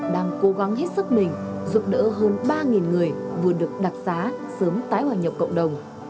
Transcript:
đang cố gắng hết sức mình giúp đỡ hơn ba người vừa được đặc giá sớm tái hòa nhập cộng đồng